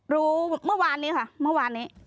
รู้เมื่อวานนี้ค่ะเมื่อวานนี้